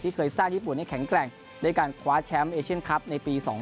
เคยสร้างญี่ปุ่นให้แข็งแกร่งด้วยการคว้าแชมป์เอเชียนคลับในปี๒๐